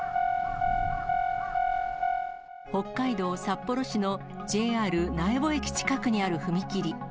北海道札幌市のＪＲ苗穂駅近くにある踏切。